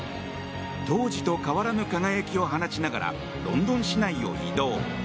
当時と変わらぬ輝きを放ちながらロンドン市内を移動。